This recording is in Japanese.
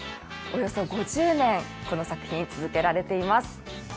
およそ５０年、この作品作り続けられています。